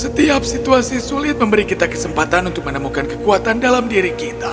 setiap situasi sulit memberi kita kesempatan untuk menemukan kekuatan dalam diri kita